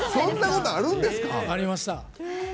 ありました。